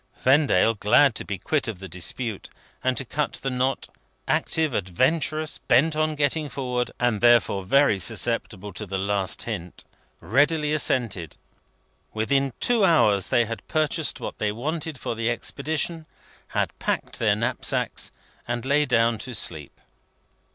Vendale, glad to be quit of the dispute, and to cut the knot: active, adventurous, bent on getting forward, and therefore very susceptible to the last hint: readily assented. Within two hours, they had purchased what they wanted for the expedition, had packed their knapsacks, and lay down to sleep.